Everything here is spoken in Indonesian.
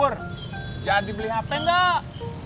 wur jangan dibeli hp enggak